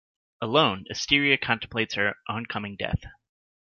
Alone, Asteria contemplates her oncoming death.